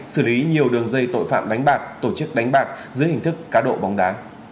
xử lý nhiều đường dây tội phạm đánh bạc tổ chức đánh bạc dưới hình thức cá độ bóng đá